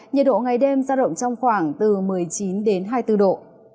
nhiệt độ ngày đêm ra động trong khoảng từ một mươi chín hai mươi bốn độ